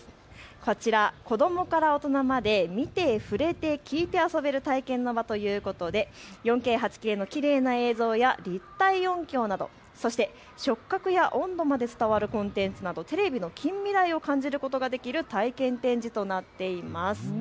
こちら子どもから大人まで見て、ふれて、きいて遊べる体験の場ということで４Ｋ、８Ｋのきれいな映像や立体音響など、そして触覚や温度まで伝わるコンテンツなどテレビの近未来を感じることができる体験展示となっています。